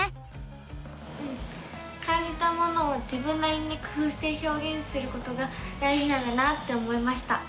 うん感じたものを自分なりに工ふうしてひょうげんすることが大じなんだなって思いました！